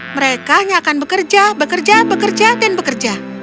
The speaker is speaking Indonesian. mereka hanya akan bekerja bekerja bekerja dan bekerja